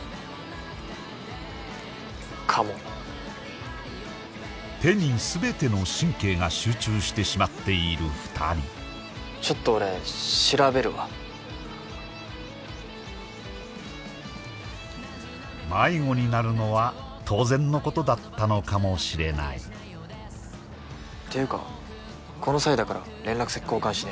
かも手に全ての神経が集中してしまっている２人ちょっと俺調べるわ迷子になるのは当然のことだったのかもしれないっていうかこの際だから連絡先交換しねえ？